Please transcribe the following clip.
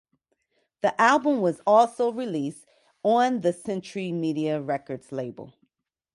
The album was also released on the Century Media Records label.